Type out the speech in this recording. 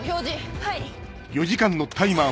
はい。